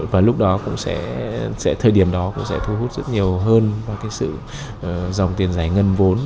và lúc đó cũng sẽ thời điểm đó cũng sẽ thu hút rất nhiều hơn vào cái sự dòng tiền giải ngân vốn